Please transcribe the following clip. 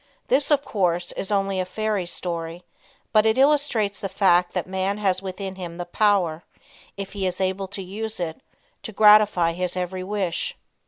This, of course, is only a fairy story, but it illustrates the fact that man has within him the power, if he is able to use it, to gratify his every wish.